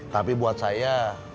tapi buat saya